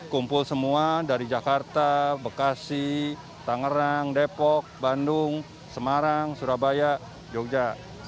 kumpul semua dari jakarta bekasi tangerang depok bandung semarang surabaya jogja